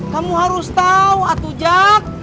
kamu harus tau atu jak